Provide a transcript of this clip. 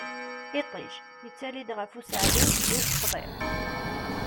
Iṭij yettali-d ɣef useɛdi d usexḍi.